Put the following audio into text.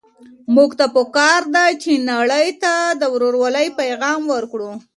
موږ ته په کار ده چي نړۍ ته د ورورولۍ پيغام ورکړو.